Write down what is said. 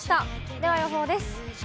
では予報です。